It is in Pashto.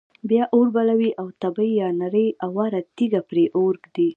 بیا اور بلوي او تبۍ یا نرۍ اواره تیږه پر اور ږدي.